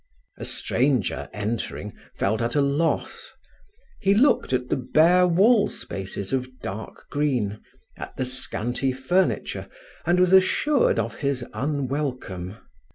A stranger, entering, felt at a loss. He looked at the bare wall spaces of dark green, at the scanty furniture, and was assured of his unwelcome.